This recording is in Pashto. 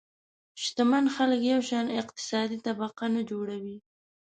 شتمن خلک یو شان اقتصادي طبقه نه جوړوي.